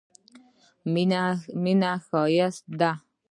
مینه ښایسته ده.